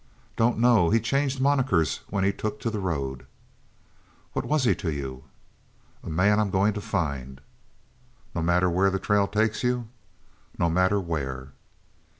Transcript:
"Don't know. He changed monikers when he took to the road." "What was he to you?" "A man I'm going to find." "No matter where the trail takes you?" "No matter where."